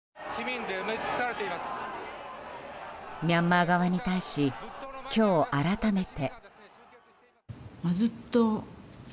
ミャンマー側に対し今日、改めて。